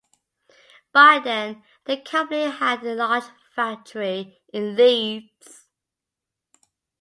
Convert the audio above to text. By then, the company had a large factory in Leeds.